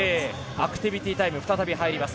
アクティビティータイムが再び入ります。